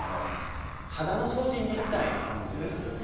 肌の掃除みたいな感じです。